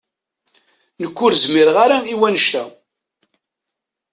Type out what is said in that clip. Nekk ur zmireɣ ara i wannect-a.